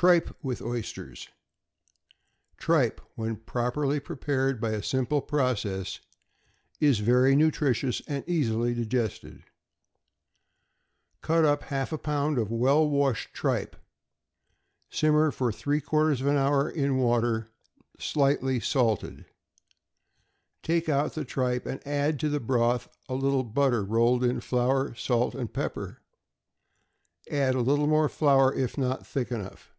=Tripe with Oysters.= Tripe, when properly prepared by a simple process, is very nutritious and easily digested. Cut up half a pound of well washed tripe; simmer for three quarters of an hour in water slightly salted; take out the tripe; add to the broth a little butter rolled in flour, salt and pepper; add a little more flour if not thick enough.